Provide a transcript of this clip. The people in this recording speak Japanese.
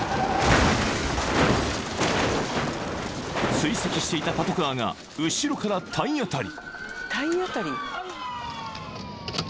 ［追跡していたパトカーが後ろから体当たり］